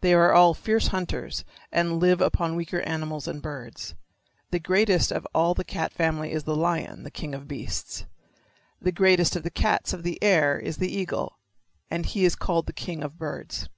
They are all fierce hunters and live upon weaker animals and birds. The greatest of all the cat family is the lion, the king of beasts. The greatest of the cats of the air is the eagle, and he is called the king of birds.